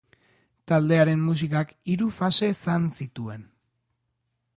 Taldearen musikak hiru fase zan zituen.